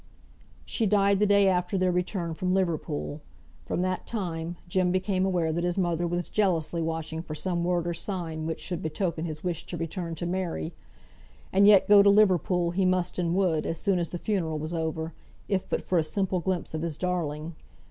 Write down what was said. She died the day after their return from Liverpool. From that time, Jem became aware that his mother was jealously watching for some word or sign which should betoken his wish to return to Mary. And yet go to Liverpool he must and would, as soon as the funeral was over, if but for a single glimpse of his darling.